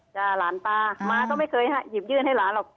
หลานตามาก็ไม่เคยหยิบยื่นให้หลานหรอก